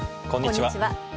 こんにちは。